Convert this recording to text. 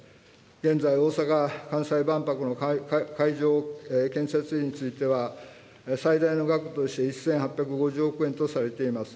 現在、大阪・関西万博の会場建設費については、最大の額として１８５０億円とされています。